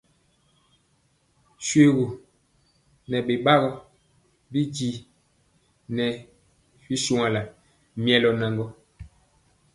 Shoégu nɛ bɛbagɔ bijinan nɛ shogala milœ nan.